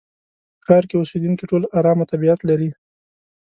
په ښار کې اوسېدونکي ټول ارامه طبيعت لري.